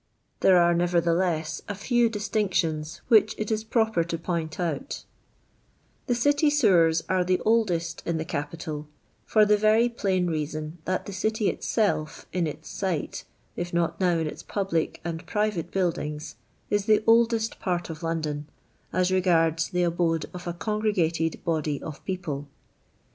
There are, nevertheless, a few distinc tions which it is proper to point out The City sewers are the oldest in the capital, for the very plain reason that the City itself, in its site, if not now in its public and private btdld ings, is the oldest part of London, as regards the abode of a congregated body of people.